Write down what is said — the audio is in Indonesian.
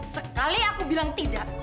sekali aku bilang tidak